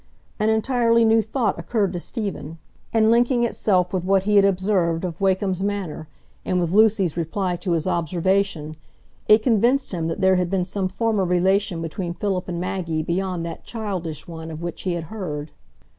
An entirely new thought occurred to Stephen, and linking itself with what he had observed of Wakem's manner, and with Lucy's reply to his observation, it convinced him that there had been some former relation between Philip and Maggie beyond that childish one of which he had heard.